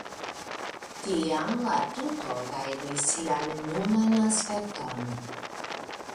Tiam la tuto gajnis sian nunan aspekton.